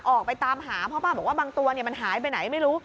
ออกไปตามหาเพราะป้าบอกว่าบางตัวมันหายไปไหนไม่รู้